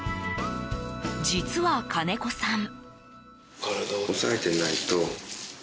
実は、金子さん。